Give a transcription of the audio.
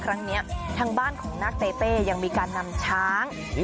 ครั้งนี้ทางบ้านของนักเต้เต้ยังมีการนำช้าง